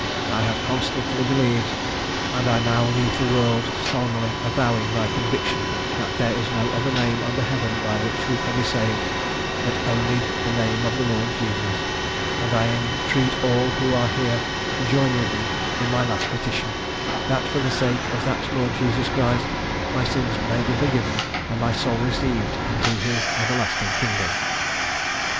I have constantly believed; and I now leave the world solemnly avowing my conviction, that there is no other name under Heaven by which we can be saved but only the name of the Lord Jesus; and I entreat all who are here to join with me in my last petition, that, for the sake of that Lord Jesus Christ, my sins may be forgiven, and my soul received into his everlasting kingdom.